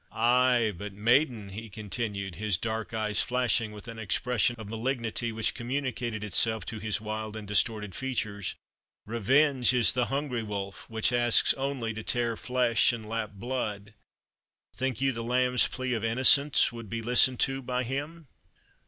"Ay, but, maiden," he continued, his dark eyes flashing with an expression of malignity which communicated itself to his wild and distorted features, "revenge is the hungry wolf, which asks only to tear flesh and lap blood. Think you the lamb's plea of innocence would be listened to by him?"